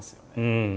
うん。